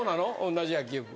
同じ野球部。